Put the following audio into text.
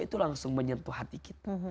itu langsung menyentuh hati kita